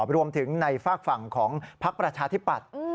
รวมถึงในฝากฝั่งของพักประชาธิปัตย์